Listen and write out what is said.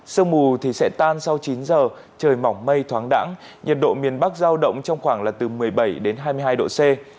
sương mù thì sẽ tan sau chín giờ trời mỏng mây thoáng đẳng nhiệt độ miền bắc giao động trong khoảng là từ một mươi bảy đến hai mươi hai độ c